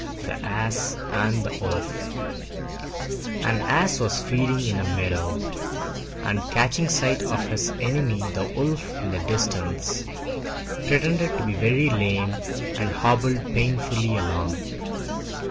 THE ASS AND THE WOLF An Ass was feeding in a meadow, and, catching sight of his enemy the Wolf in the distance, pretended to be very lame and hobbled painfully along.